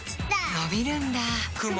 のびるんだ